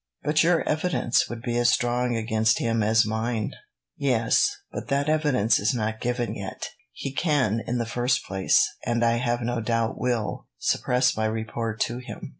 "But your evidence would be as strong against him as mine." "Yes; but that evidence is not yet given. He can, in the first place, and I have no doubt will, suppress my report to him.